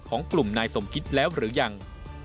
ของกลุ่มนายสมคิดแล้วหรือยัง